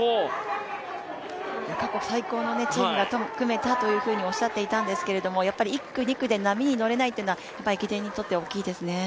過去最高のチームが組めたとおっしゃっていたんですけど、やっぱり１区、２区で波に乗れないのは駅伝にとって大きいですね。